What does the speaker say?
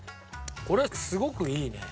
これすごくいいね。